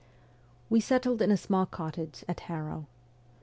We settled in a small cottage at Harrow.